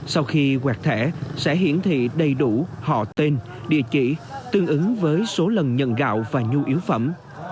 sau khi quẹt thẻ sẽ hiển thị đầy đủ họ tên địa chỉ tương ứng với số lần nhận gạo và nhu yếu phẩm